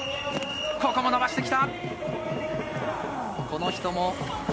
ここも伸ばしてきた。